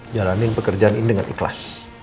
jalanin pekerjaan ini dengan ikhlas